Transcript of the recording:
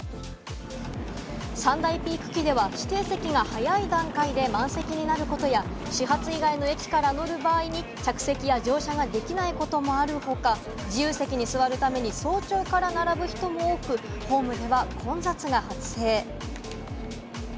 ３大ピーク期では、指定席が早い段階で満席になることや、始発以外の駅から乗る場合に着席や乗車ができないこともある他、自由席に座るために早朝から並ぶ人も多く、ホームでは混雑が発生。